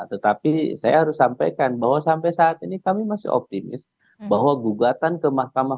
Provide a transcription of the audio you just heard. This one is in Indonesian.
tetapi saya harus sampaikan bahwa sampai saat ini kami masih optimis bahwa gugatan ke mahkamah